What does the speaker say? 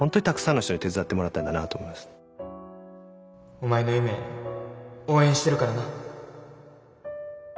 お前の夢応援してるからな。